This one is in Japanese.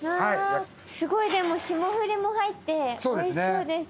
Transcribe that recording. すごいでも霜降りも入っておいしそうですよね。